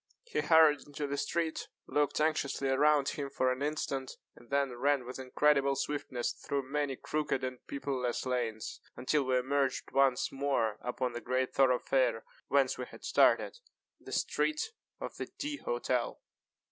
He hurried into the street, looked anxiously around him for an instant, and then ran with incredible swiftness through many crooked and people less lanes, until we emerged once more upon the great thoroughfare whence we had started the street of the D__ Hotel.